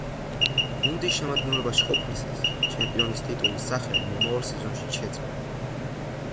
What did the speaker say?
გუნდის შემადგენლობაში ყოფნისას ჩემპიონის ტიტულის სახელი მომავალ სეზონშიც შეძლო.